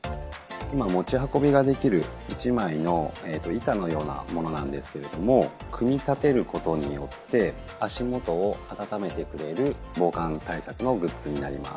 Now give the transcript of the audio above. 持ち運びができる一枚の板のようなものなんですけれども、組み立てることによって、足元を温めてくれる防寒対策のグッズになります。